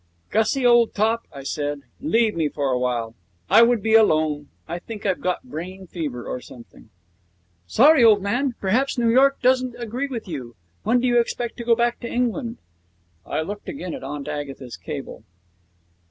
'Gussie, old top,' I said, 'leave me for a while. I would be alone. I think I've got brain fever or something.' 'Sorry, old man; perhaps New York doesn't agree with you. When do you expect to go back to England?' I looked again at Aunt Agatha's cable.